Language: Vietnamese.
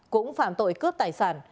cũng phạm tội cướp tài sản